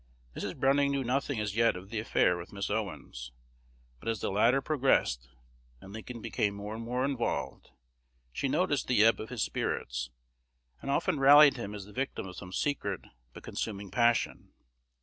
Mrs. Browning knew nothing as yet of the affair with Miss Owens; but as the latter progressed, and Lincoln became more and more involved, she noticed the ebb of his spirits, and often rallied him as the victim of some secret but consuming passion.